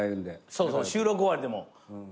そうそう収録終わりでも。